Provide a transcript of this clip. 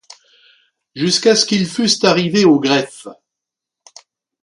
jusqu’à ce qu’ils fussent arrivés au greffe.